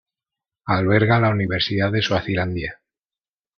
Alberga la Universidad de Suazilandia.